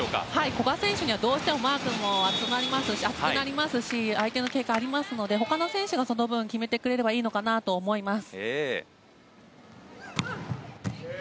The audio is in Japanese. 古賀選手にはどうしてもマークも厚くなりますし相手の警戒がありますので他の選手がその分決めてくれればいいかなと思います。